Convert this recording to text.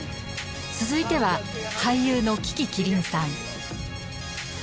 続いては俳優の樹木希林さん。